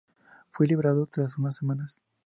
Fue liberado tras una semana.